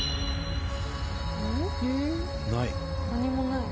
ない。